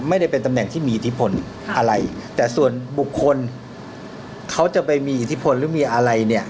ไม่ได้เป็นตำแหน่งที่มีอิทธิพลอะไรแต่ส่วนบุคคลเขาจะไปมีอิทธิพลหรือมีอะไรเนี่ย